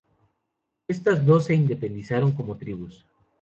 Estas dos se independizaron como tribus.